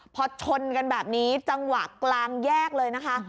พอชนกันแบบนี้จังหวะกลางแยกเลยนะคะ